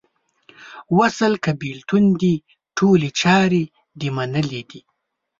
وصل که بیلتون دې ټولي چارې دې منلې دي